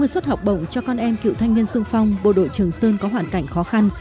sáu mươi suất học bổng cho con em cựu thanh niên sung phong bộ đội trường sơn có hoàn cảnh khó khăn